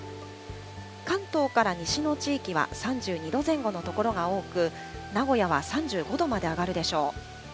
関東から西の地域は３２度前後の所が多く、名古屋は３５度まで上がるでしょう。